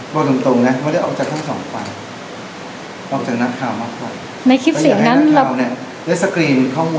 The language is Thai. บอกจริงเนี่ยไม่ได้ออกจากทั้ง๒ฝั่งออกจากนักคราวมากกว่า